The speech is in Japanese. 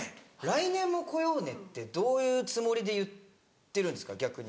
「来年も来ようね」ってどういうつもりで言ってるんですか逆に。